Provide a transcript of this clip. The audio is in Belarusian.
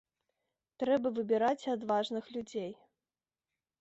Трэба выбіраць адважных людзей.